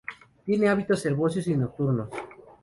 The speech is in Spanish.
Tiene hábitos arbóreos y nocturnos.